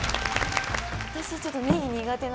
私ちょっと。